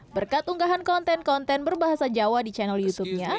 berkat unggahan konten konten berbahasa jawa di channel youtubenya